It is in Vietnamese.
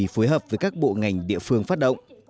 phối hợp với các bộ ngành địa phương phát động